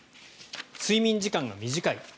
睡眠時間が短い。